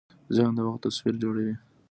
ذهن د وخت تصور جوړوي.